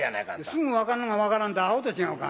すぐ分かるのが分からんてアホと違うか？